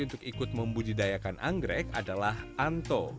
untuk ikut membudidayakan anggrek adalah anto